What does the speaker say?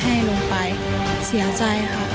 ให้ลงไปเสียใจค่ะ